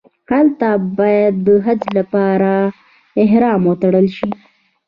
هلته باید د حج لپاره احرام وتړل شي.